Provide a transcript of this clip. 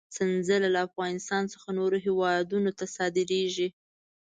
سنځله له افغانستان څخه نورو هېوادونو ته صادرېږي.